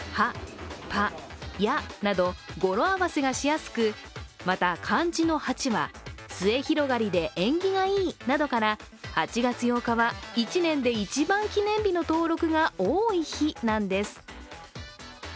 「ぱ」「や」などの語呂合わせがしやすく、また漢字の「八」は末広がりで縁起がいいなどから８月８日は１年で一番記念日の登録が多い日なんです。